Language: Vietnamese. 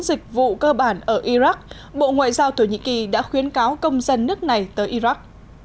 dịch vụ cơ bản ở iraq bộ ngoại giao thổ nhĩ kỳ đã khuyến cáo công dân nước này tới iraq